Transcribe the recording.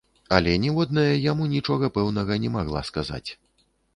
Але ніводная яму нічога пэўнага не магла сказаць.